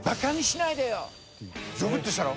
ゾクッとしたろ？